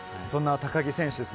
そんな高木選手